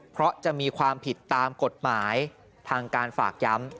เพราะจะมีความผิดตามกฎหมายทางการฝากย้ำ